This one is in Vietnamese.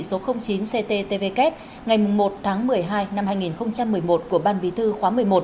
đoàn thực hiện chỉ thị số chín cttvk ngày một tháng một mươi hai năm hai nghìn một mươi một của ban bí thư khóa một mươi một